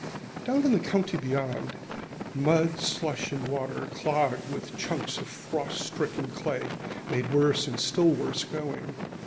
Down in the country beyond, mud, slush, and water clogged with chunks of frost stricken clay made worse and still worse going.